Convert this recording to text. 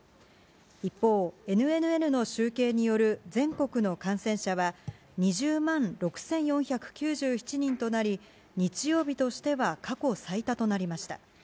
一方、ＮＮＮの集計による全国の感染者は、２０万６４９７人となり、日曜日としては過去最多となりました。